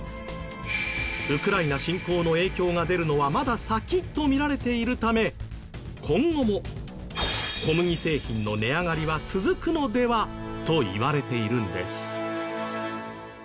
ウクライナ侵攻の影響が出るのはまだ先とみられているため今後も小麦製品の値上がりは続くのではといわれているんです。